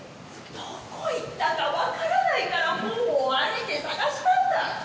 「どこ行ったか分からないから方々歩いて捜したんだ！」